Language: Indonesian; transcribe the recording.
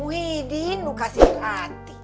wih diin lu kasih hati